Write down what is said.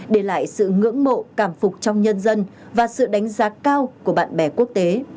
để lại sự ngưỡng mộ cảm phục trong nhân dân và sự đánh giá cao của bạn bè quốc tế